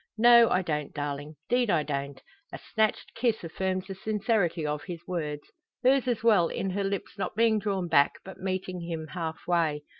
"No, I don't, darling 'deed I don't." A snatched kiss affirms the sincerity of his words; hers as well, in her lips not being drawn back, but meeting him halfway.